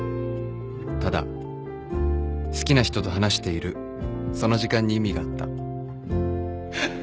ただ好きな人と話しているその時間に意味があったハハッ。